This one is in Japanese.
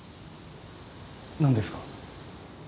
何ですか？